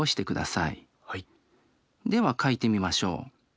では描いてみましょう。